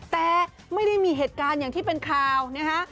แต่ไม่ได้มีเหตุการณ์อย่างที่เป็นข่าวนะฮะ